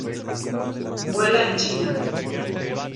Vuela en China.